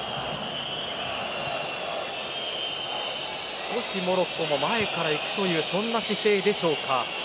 少しモロッコも前から行くという姿勢でしょうか。